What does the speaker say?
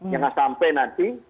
jangan sampai nanti